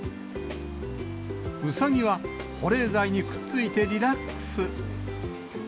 ウサギは保冷材にくっついてリラックス。